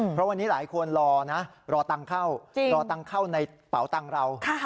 เพราะวันนี้หลายคนรอนะรอตังค์เข้ารอตังค์เข้าในเป๋าตังค์เรา